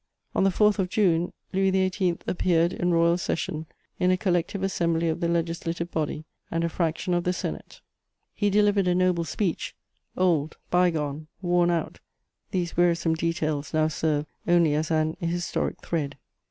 On the 4th of June, Louis XVIII. appeared in royal session in a collective assembly of the Legislative Body and a fraction of the Senate. He delivered a noble speech: old, by gone, worn out, these wearisome details now serve only as an historic thread.